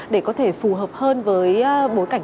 để có thể phù hợp hơn với bối cảnh